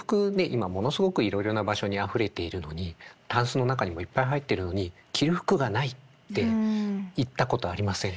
今ものすごくいろいろな場所にあふれているのにタンスの中にもいっぱい入っているのに着る服がない！っていったことありません？